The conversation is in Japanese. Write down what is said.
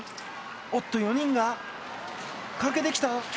おっと、４人が駆け抜けた。